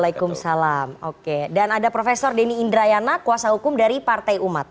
waalaikumsalam oke dan ada prof denny indrayana kuasa hukum dari partai umat